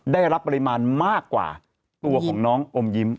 ได้รับปริมาณมากกว่าตัวของน้องอมยิ้ม